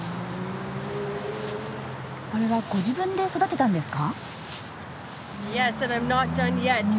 これはご自分で育てたんですか？